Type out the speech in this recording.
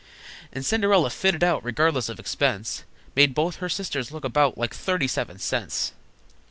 And Cinderella, fitted out Regardless of expense, Made both her sisters look about Like thirty seven cents!